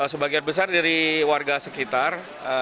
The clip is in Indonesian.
sebagian besar dari warga sekitar